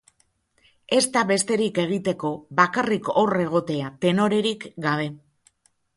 Ez da besterik egiteko, bakarrik hor egotea, tenorerik gabe.